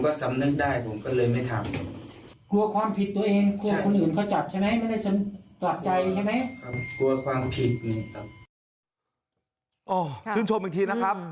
กลัวคนอื่นเขาจับใช่ไหม